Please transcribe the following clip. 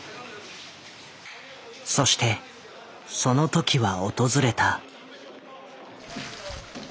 そしてそのときは訪れた。